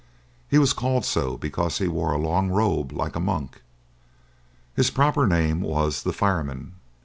He was called so because he wore a long robe like a monk. His proper name was the 'fireman.